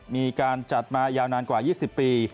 มีการจัดมายาวนานกว่า๒๐ปี